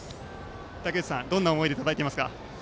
たけうちさんどんな思いでたたいていますか。